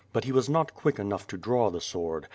But he was not quick enough to draw the sword.